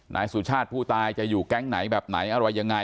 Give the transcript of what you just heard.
นายสุชาติผู้ตายจะอยู่แก๊งไหนแบบไหนอะไรยังไง